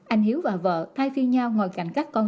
anh hiếu và vợ thay phiên nhau ngồi cạnh các con